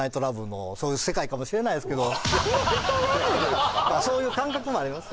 そういう世界かもしれないですけどそういう感覚もあります